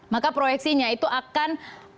maka proyeksinya itu akan